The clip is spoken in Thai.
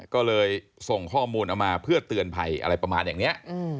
ก็เลยส่งข้อมูลเอามาเพื่อเตือนภัยอะไรประมาณอย่างนี้